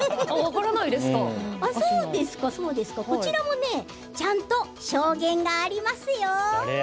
こちらもちゃんと証言があります誰や。